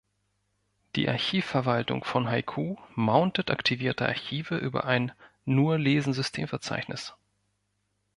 Die Archivverwaltung von Haiku mountet aktivierte Archive über ein Nur-Lesen-Systemverzeichnis.